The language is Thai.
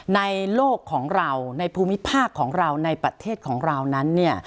ในโลกของเราในภูมิภาคของเราในประเทศของเรานั้นเนี่ย